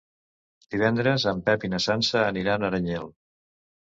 Divendres en Pep i na Sança aniran a Aranyel.